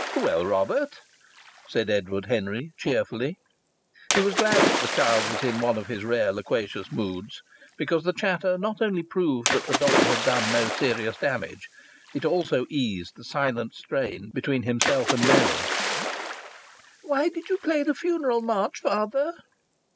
"Well, Robert?" said Edward Henry, cheerfully. He was glad that the child was in one of his rare loquacious moods, because the chatter not only proved that the dog had done no serious damage it also eased the silent strain between himself and Nellie. "Why did you play the Funeral March, father?"